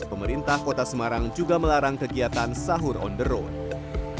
pemerintah kota semarang juga melarang kegiatan sahur on the road